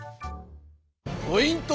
ポイント